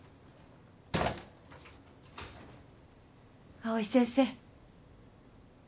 ・藍井先生。